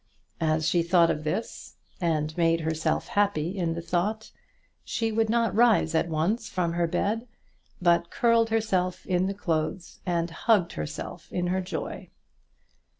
As she thought of this, and made herself happy in the thought, she would not rise at once from her bed, but curled herself in the clothes and hugged herself in her joy.